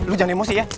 lu jangan emosi ya